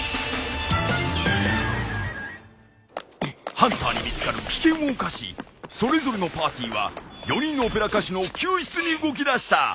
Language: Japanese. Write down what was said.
ハンターに見つかる危険を冒しそれぞれのパーティーは４人のオペラ歌手の救出に動きだした。